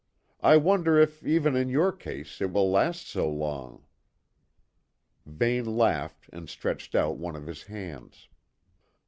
I wonder if, even in your case, it will last so long." Vane laughed and stretched out one of his hands.